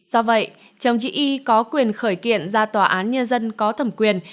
do vậy chồng chị y có quyền khởi kiện ra tòa án nhân dân có thẩm quyền